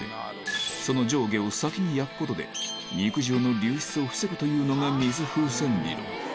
その上下を先に焼くことで肉汁の流出を防ぐというのが水風船理論